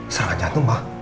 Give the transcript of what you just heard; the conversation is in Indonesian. serangan jantung ma